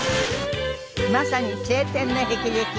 まさに青天の霹靂。